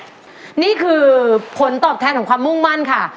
นี่คือผลตอบแทนของความมุ่งมั่นค่ะ